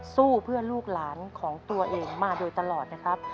สู้เพื่อลูกหลานของตัวเองมาโดยตลอดนะครับ